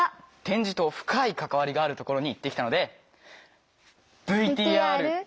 点字と深い関わりがあるところに行ってきたので。